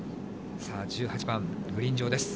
さあ、１８番、グリーン上です。